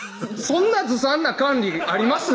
そんなずさんな管理あります？